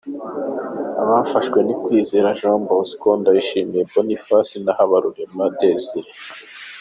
Abafashwe ni Kwizera Jean Bosco, Ndayishimiye Boniface na Habarurema Desiré.